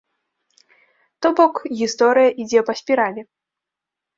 То бок гісторыя ідзе па спіралі.